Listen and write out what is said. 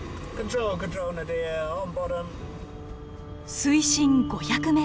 水深５００ｍ。